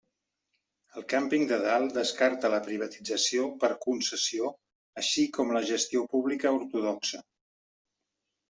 El Càmping de Dalt descarta la privatització per concessió així com la gestió pública ortodoxa.